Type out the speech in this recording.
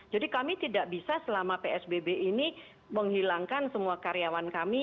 kami tidak bisa selama psbb ini menghilangkan semua karyawan kami